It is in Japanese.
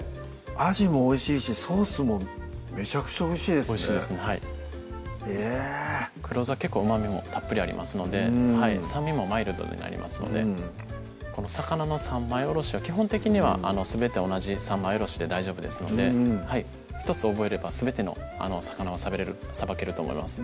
あじもおいしいしソースもめちゃくちゃおいしいですねおいしいですねはいえ黒酢は結構うまみもたっぷりありますので酸味もマイルドになりますのでこの魚の三枚おろしは基本的にはすべて同じ三枚おろしで大丈夫ですので１つ覚えればすべての魚をさばけると思います